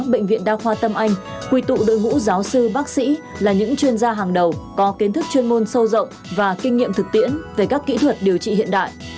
bệnh viện đa khoa tâm anh quy tụ đội ngũ giáo sư bác sĩ là những chuyên gia hàng đầu có kiến thức chuyên môn sâu rộng và kinh nghiệm thực tiễn về các kỹ thuật điều trị hiện đại